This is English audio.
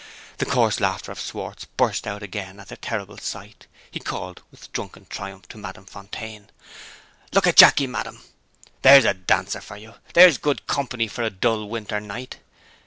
The coarse laughter of Schwartz burst out again at the terrible sight. He called, with drunken triumph, to Madame Fontaine. "Look at Jacky, ma'am. There's a dancer for you! There's good company for a dull winter night!"